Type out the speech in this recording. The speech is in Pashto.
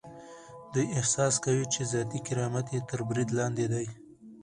دوی احساس کوي چې ذاتي کرامت یې تر برید لاندې دی.